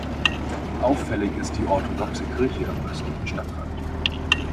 Auffällig ist die orthodoxe Kirche am östlichen Stadtrand.